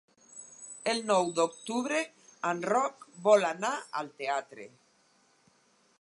El nou d'octubre en Roc vol anar al teatre.